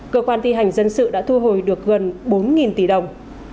cơ quan thi hành dân sự đã thu hồi được gần bốn tỷ đồng